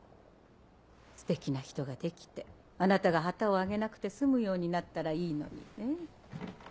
素敵な人ができてあなたが旗をあげなくて済むようになったらいいのにねぇ。